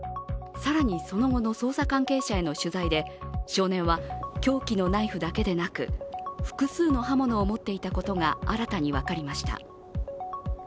更に、その後の捜査関係者への取材で少年は凶器のナイフだけでなく複数の刃物を持っていたことが新たに分かりました。